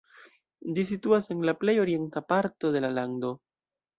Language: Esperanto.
Ĝi situas en la plej orienta parto de la lando.